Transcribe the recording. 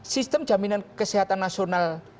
sistem jaminan kesehatan nasional